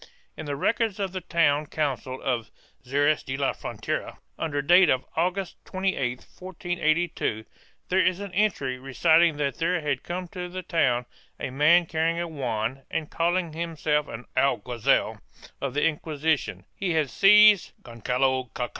In the records of the town council of Xeres de la Frontera, under date of August 28, 1482, there is an entry reciting that there had come to the town a man carrying a wand and calling himself an alguazil of the Inquisition; he had seized Gongalo Cac.